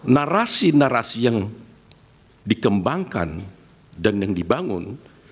narasi narasi yang dikembangkan dan yang dibangun